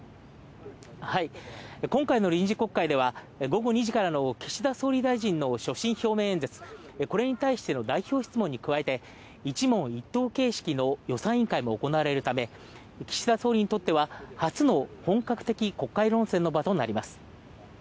今回の臨時国会では、午後２時からの岸田総理の所信表明演説これに対しての代表質問に加えて一問一答形式の予算委員会も行われるため岸田総理にとっては初の本格的国会論戦の場となります。